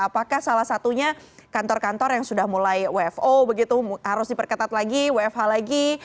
apakah salah satunya kantor kantor yang sudah mulai wfo begitu harus diperketat lagi wfh lagi